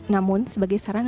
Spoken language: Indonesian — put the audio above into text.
namun sebagai saran